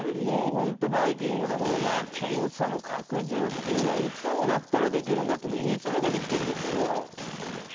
「バイキング」でも検査の拡充というのはいつになったらできるんだとは言い続けてきてるんですけど。